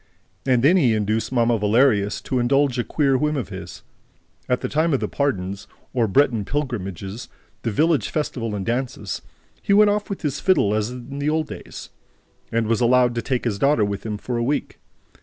And then he induced Mamma Valerius to indulge a queer whim of his. At the time of the "pardons," or Breton pilgrimages, the village festival and dances, he went off with his fiddle, as in the old days, and was allowed to take his daughter with him for a week.